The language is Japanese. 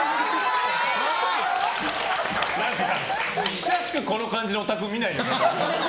久しくこの感じのオタク見ない。